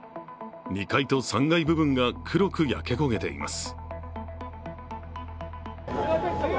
２階と３階部分が黒く焼け焦げています。